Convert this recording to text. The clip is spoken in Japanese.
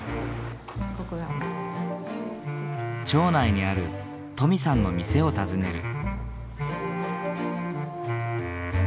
町内にある登美さんの店を訪ねる。